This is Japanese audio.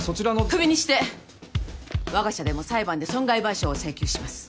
クビにしてわが社でも裁判で損害賠償を請求します。